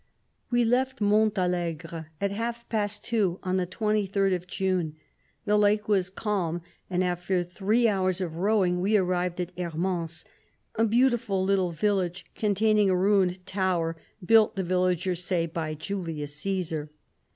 We left Montalegre at half past two on the 23d of June. The lake was calm, and after three hours of rowing we arrived at Hermance, a beautiful lit tle village, containing a ruined tower, built, the villagers say, by Julius Cae sar.